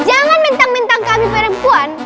jangan mintang mintang kami perempuan